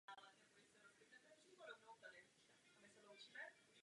Původně žil v Mikulově.